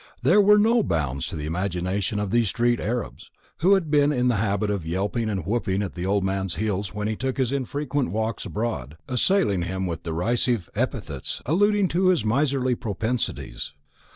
There were no bounds to the imagination of these street Arabs, who had been in the habit of yelping and whooping at the old man's heels when he took his infrequent walks abroad, assailing him with derisive epithets alluding to his miserly propensities.